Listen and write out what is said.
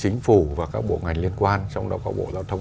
chính phủ và các bộ ngành liên quan trong đó có bộ giao thông